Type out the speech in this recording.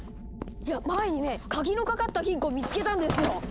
いや前にね鍵のかかった金庫を見つけたんですよ。